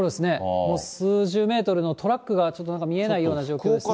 もう数十メートルのトラックがちょっと見えないような状況ですね。